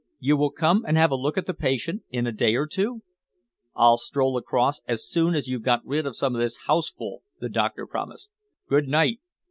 "You will come and have a look at the patient in a day or two?" "I'll stroll across as soon as you've got rid of some of this houseful," the doctor promised. "Good night!"